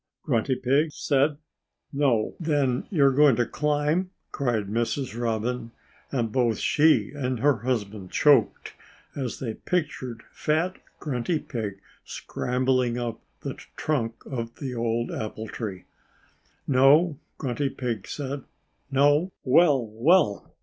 Grunty Pig said. "No!" "Then you're going to climb," cried Mrs. Robin. And both she and her husband choked, as they pictured fat Grunty Pig scrambling up the trunk of the old apple tree. "No!" Grunty Pig said. "No!" "Well, well!"